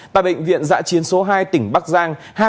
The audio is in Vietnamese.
tại bệnh viện giã chiến số hai tỉnh bắc giang